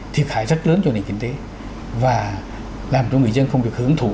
thiệt hại rất lớn cho nền kinh tế và làm cho người dân không được hưởng thụ